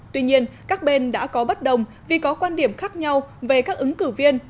tuy nhiên các bên đã có bất đồng vì có quan điểm khác nhau về các ứng cử viên